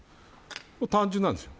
単純なんですよ。